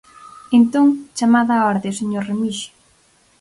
Entón, chamada á orde, señor Remixio.